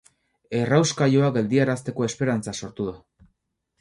Errauskailua geldiarazteko esperantza sortu da.